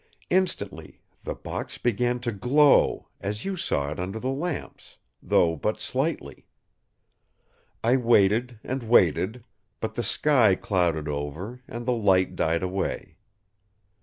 Instantly the box began to glow, as you saw it under the lamps, though but slightly. I waited and waited; but the sky clouded over, and the light died away.